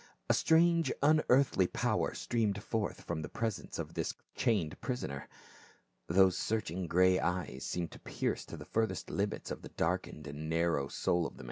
A strange unearthly power streamed forth from the presence of this chained prisoner ; those searching grey eyes seemed to pierce to the furthest limits of the darkened and narrow soul of the.